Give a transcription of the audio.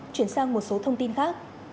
chuyển sang một số thông tin khác